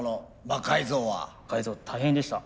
魔改造大変でした。